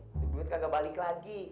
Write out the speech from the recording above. bukit tidak akan kembali lagi